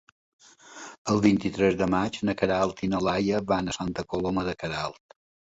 El vint-i-tres de maig na Queralt i na Laia van a Santa Coloma de Queralt.